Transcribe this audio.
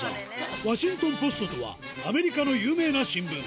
ワシントン・ポストとはアメリカの有名な新聞。